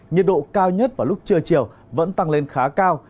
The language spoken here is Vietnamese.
nhiệt độ cao nhất vào lúc trưa chiều vẫn tăng lên khá cao